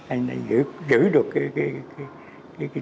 anh này giữ được cái